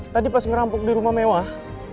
tadi pas merampok di rumah mewah